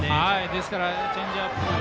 ですからチェンジアップ。